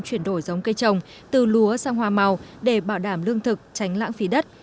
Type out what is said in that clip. chuyển đổi giống cây trồng từ lúa sang hoa màu để bảo đảm lương thực tránh lãng phí đất